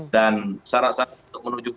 dan syarat saja untuk menuju